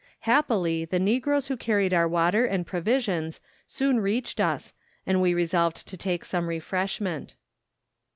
Happily, the Negroes who carried our water and provisions soon reached us, and we resolved to take some refreshment.